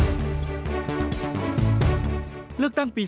อันดับสุดท้ายเลือกตั้งปี๒๕๖๒